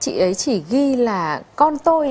chị ấy chỉ ghi là con tôi